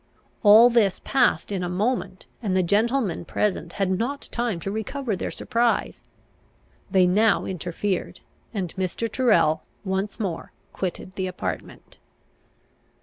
All this passed in a moment, and the gentlemen present had not time to recover their surprise. They now interfered, and Mr. Tyrrel once more quitted the apartment.